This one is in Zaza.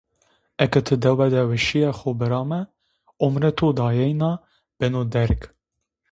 Eke tı dewe de weşiya xo bırame, omrê to daêna beno derg.